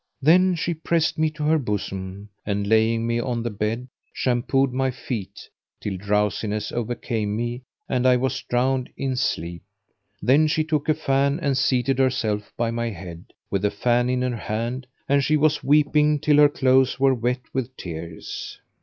Then she pressed me to her bosom and laying me on the bed, shampoo'd my feet, till drowsiness overcame me and I was drowned in sleep, then she took a fan and seated herself at my head with the fan in her hand and she was weeping till her clothes were wet with tears.